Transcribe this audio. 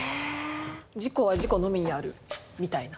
「自己は自己のみにある」みたいな。